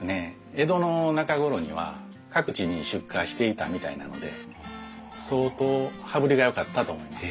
江戸の中頃には各地に出荷していたみたいなので相当羽振りがよかったと思います。